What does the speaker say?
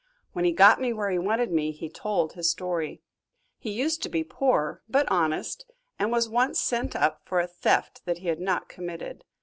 When he got me where he wanted me, he told his story. He used to be poor but honest, and was once sent up for a theft that he had not committed.